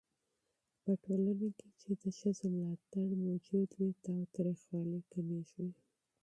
په ټولنه کې چې د ښځو ملاتړ موجود وي، تاوتريخوالی کمېږي.